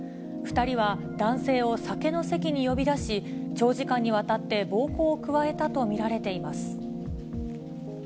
２人は男性を酒の席に呼び出し、長時間にわたって暴行を加えたと見られています。